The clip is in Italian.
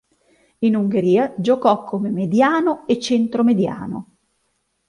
In Ungheria giocò come mediano o centromediano.